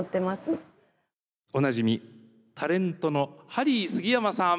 おなじみタレントのハリー杉山さん。